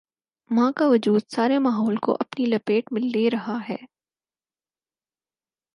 ماں کا وجودسارے ماحول کو اپنی لپیٹ میں لے رہا ہے۔